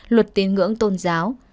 luật tiếng ngưỡng tôn giáo